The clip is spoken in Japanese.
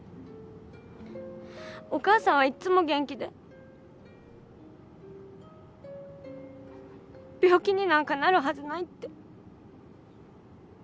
お母さんはいっつも元気で病気になんかなるはずないって。